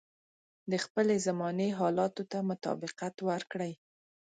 د خپلې زمانې حالاتو ته مطابقت ورکړي.